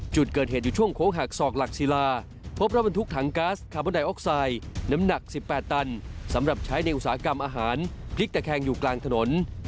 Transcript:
จุดเกิดเหตุอยู่ช่วงโค้งหักศอกหลักศิลาพบรถบรรทุกถังก๊าซคาร์บอนไดออกไซด์น้ำหนัก๑๘ตันสำหรับใช้ในอุตสาหกรรมอาหารพลิกตะแคงอยู่กลางถนน